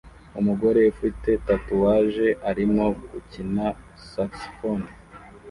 Umugore ufite tatuwaje arimo gukina saxofone